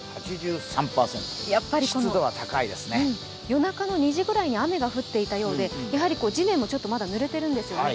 夜中の２時ぐらいに雨が降っていたようでやはり地面もちょっとまだぬれているんですよね。